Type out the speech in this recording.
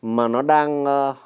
mà nó đang